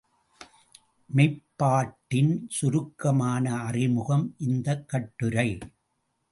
மெய்ப் பாட்டின் சுருக்கமான அறிமுகம் இந்தக் கட்டுரை.